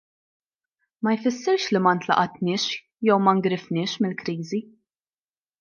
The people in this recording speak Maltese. Ma jfissirx li ma ntlaqatniex jew ma ngrifniex mill-kriżi.